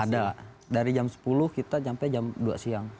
ada dari jam sepuluh kita sampai jam dua siang